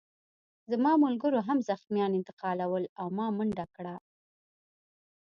زما ملګرو هم زخمیان انتقالول او ما منډه کړه